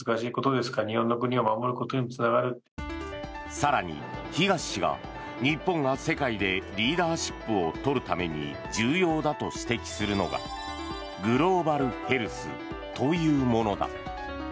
更に東氏が、日本が世界でリーダーシップをとるために重要だと指摘するのがグローバルヘルスというものだ。